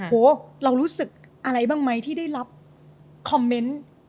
โหเรารู้สึกอะไรบ้างไหมที่ได้รับคอมเมนต์